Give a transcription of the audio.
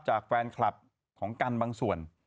จากแฟนคลับของกันบางส่วน